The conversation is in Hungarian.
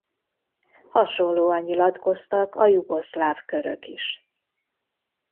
Hasonlóan nyilatkoztak a jugoszláv körök is.